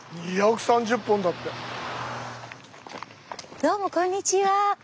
どうもこんにちは。